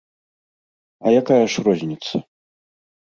А якая ж розніца?